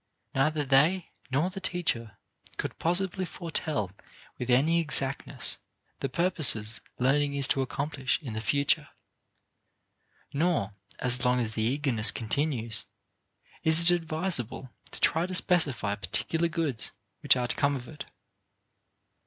Neither they nor the teacher could possibly foretell with any exactness the purposes learning is to accomplish in the future; nor as long as the eagerness continues is it advisable to try to specify particular goods which are to come of it.